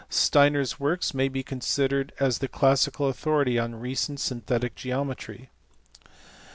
Steiner s works may be considered as the classical authority on recent synthetic geometry.